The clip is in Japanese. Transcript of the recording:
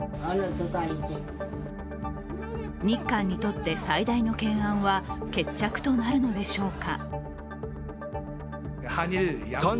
日韓にとって最大の懸案は決着となるのでしょうか。